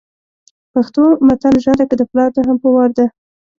پښتو متل ژرنده که دپلار ده هم په وار ده